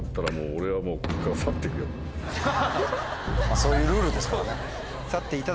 そういうルールですからね。